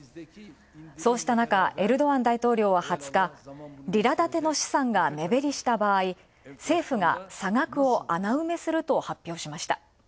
そうしたなか、エルドアン大統領は２０日、リラ建ての資産が目減りした場合、政府が差額を穴埋めすると発表しました。